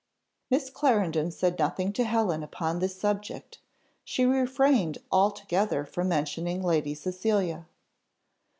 Miss Clarendon said nothing to Helen upon this subject; she refrained altogether from mentioning Lady Cecilia.